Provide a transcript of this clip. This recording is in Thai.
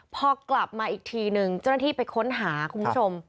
พอกลับมาอีกทีนึงเจ้าหน้าที่ไปค้นหาคุณผู้ชม